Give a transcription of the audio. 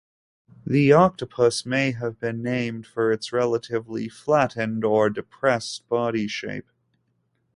The octopus may have been named for its relatively flattened or "depressed" body shape.